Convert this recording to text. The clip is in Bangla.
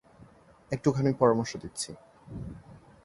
একটুখানি পরামর্শ দিচ্ছি।